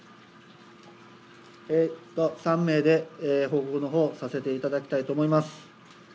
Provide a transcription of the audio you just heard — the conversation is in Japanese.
３名で報告のほう、させていただきたいと思います。